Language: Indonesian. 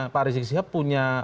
pak rezik syihab punya